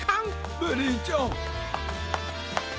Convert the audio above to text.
ベリーちゃん！